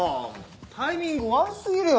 タイミング悪すぎるよ